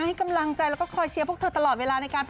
ให้กำลังใจแล้วก็คอยเชียร์พวกเธอตลอดเวลาในการ